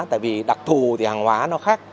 tại vì đặc thù hàng hóa nó khác